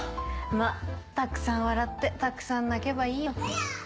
まぁたくさん笑ってたくさん泣けばいいよ。